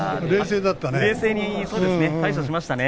冷静だったね。